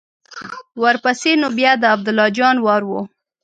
ورپسې نو بیا د عبدالله جان وار و.